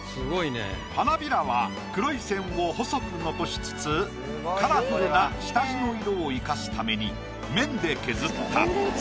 花びらは黒い線を細く残しつつカラフルな下地の色を生かすために面で削った。